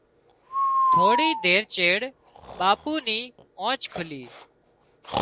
ٿوڙي دير چيڙ ٻاپو ني آنڇ کُلي